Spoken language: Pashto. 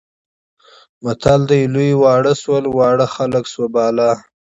متل دی لوی واړه شول، واړه خلک شول بالا.